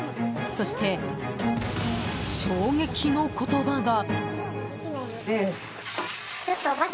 そして、衝撃の言葉が。